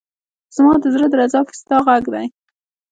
زما ده زړه درزا کي ستا غږ دی